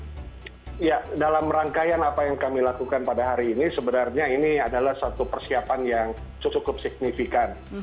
ya dalam rangkaian apa yang kami lakukan pada hari ini sebenarnya ini adalah satu persiapan yang cukup signifikan